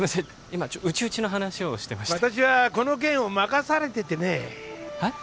今内々の話をしてまして私はこの件を任されててねへっ？